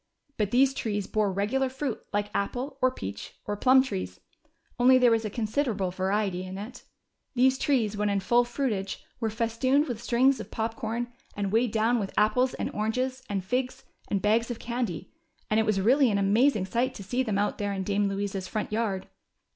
But these trees bore regular fruit like apple, or peach, or plum trees, only there was a considerable variety in it. These trees when in full fruitage were festooned with strings of pop corn, and weighed down with apples and oranges and figs and bags of candy, and it was really an amazing sight to see them out there in Dame Louisa's front yard.